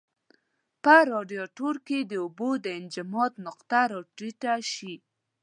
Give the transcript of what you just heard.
په رادیاتور کې د اوبو د انجماد نقطه را ټیټه شي.